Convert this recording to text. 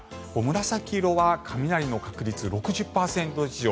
紫色は雷の確立６０％以上。